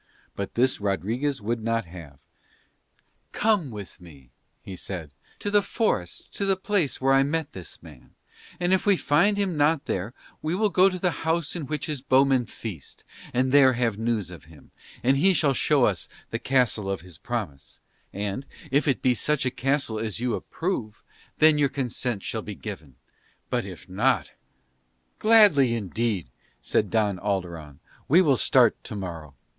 But this Rodriguez would not have: "Come with me," he said, "to the forest to the place where I met this man, and if we find him not there we will go to the house in which his bowmen feast and there have news of him, and he shall show us the castle of his promise and, if it be such a castle as you approve, then your consent shall be given, but if not ..." "Gladly indeed," said Don Alderon. "We will start tomorrow."